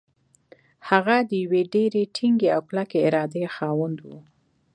هغه د يوې ډېرې ټينګې او کلکې ارادې خاوند و.